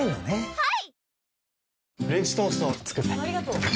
はい！